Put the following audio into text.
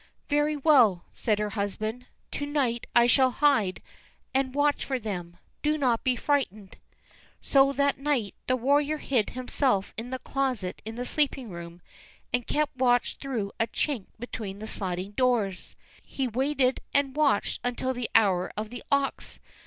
'" "Very well," said her husband; "to night I shall hide, and watch for them. Do not be frightened." So that night the warrior hid himself in a closet in the sleeping room, and kept watch through a chink between the sliding doors. He waited and watched until the "hour of the ox."